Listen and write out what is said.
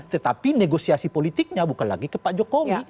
tetapi negosiasi politiknya bukan lagi ke pak jokowi